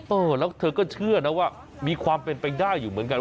เออแล้วเธอก็เชื่อนะว่ามีความเป็นไปได้อยู่เหมือนกัน